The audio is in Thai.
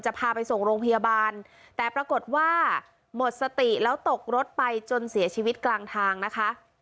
พาไปส่งโรงพยาบาลแต่ปรากฏว่าหมดสติแล้วตกรถไปจนเสียชีวิตกลางทางนะคะ